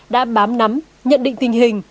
đã bám nắm nhận định tình hình